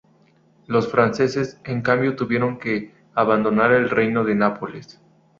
Los franceses, en cambio, tuvieron que abandonar el Reino de Nápoles.